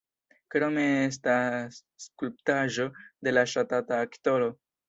Krome estas skulptaĵo de la ŝatata aktoro.